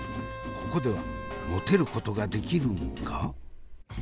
ここではモテることができるのか？